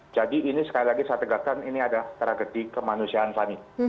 jadi ini sekali lagi saya tegakkan ini ada tragedi kemanusiaan fanny